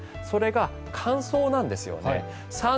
それが乾燥なんですよね。